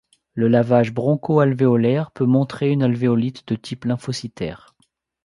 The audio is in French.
Le lavage broncho-alvéolaire peut montrer une alvéolite de type lymphocytaire.